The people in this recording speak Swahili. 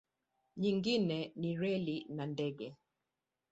Nyingine ni reli na ndege.